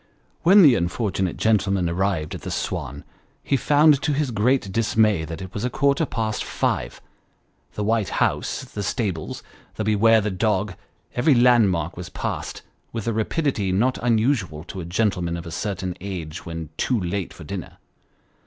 When the unfortunate gentleman arrived at the Swan, he found to his great dismay, that it was a quarter past five. The white house, the stables, the " Beware of the Dog," every landmark was passed, with a rapidity not unusual to a gentleman of a certain age when too late for dinner.